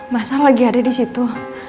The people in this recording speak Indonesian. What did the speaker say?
masal lagi ada disitu